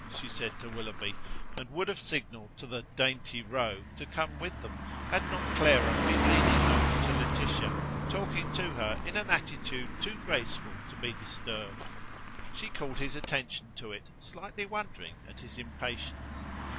she said to Willoughby, and would have signalled to the "dainty rogue" to come with them, had not Clara been leaning over to Laetitia, talking to her in an attitude too graceful to be disturbed. She called his attention to it, slightly wondering at his impatience.